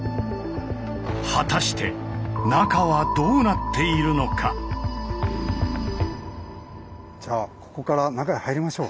果たしてじゃあここから中へ入りましょう。